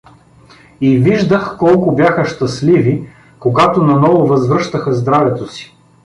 И виждах колко бяха щастливи, когато наново възвръщаха здравето си.